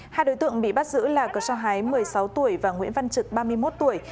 hai đối tượng bị bắt giữ là cờ sá hái một mươi sáu tuổi và nguyễn văn trực ba mươi một tuổi